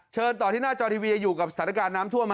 เชิญต่อที่หน้าจอทีวีอยู่กับสถานการณ์น้ำท่วม